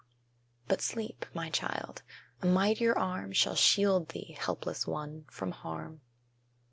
But sleep, my child; a mightier Arm Shall shield thee (helpless one!) from harm.